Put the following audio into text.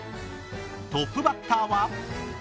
トップバッターは。